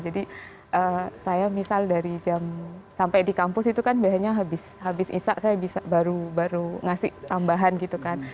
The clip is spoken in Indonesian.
saya misal dari jam sampai di kampus itu kan biasanya habis isak saya bisa baru ngasih tambahan gitu kan